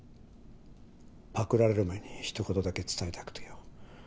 パクられる前に一言だけ伝えたくてよ。